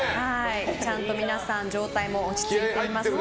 ちゃんと皆さん状態も落ち着いていますね。